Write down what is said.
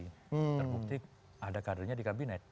terbukti ada kadernya di kabinet